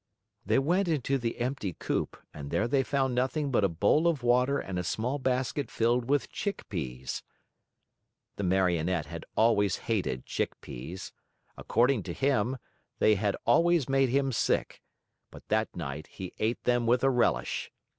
They went into the empty coop and there they found nothing but a bowl of water and a small basket filled with chick peas. The Marionette had always hated chick peas. According to him, they had always made him sick; but that night he ate them with a relish.